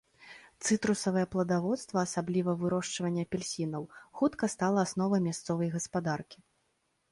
Цытрусавыя пладаводства, асабліва вырошчванне апельсінаў, хутка стала асновай мясцовай гаспадаркі.